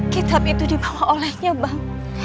kitab itu dibawa olehnya bang